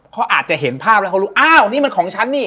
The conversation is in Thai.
เขาอาจจะเห็นภาพแล้วเขารู้อ้าวนี่มันของฉันนี่